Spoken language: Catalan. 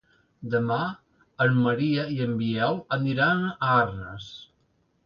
Demà en Maria i en Biel aniran a Arnes.